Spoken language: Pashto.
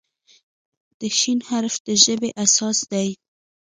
د "ش" حرف د ژبې اساس دی.